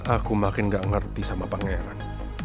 aku makin gak ngerti sama pangeran